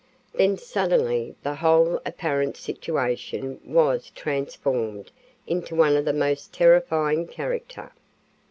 Then suddenly the whole apparent situation was transformed into one of the most terrifying character.